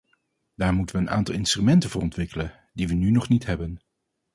Daar moeten we een aantal instrumenten voor ontwikkelen, die we nu nog niet hebben.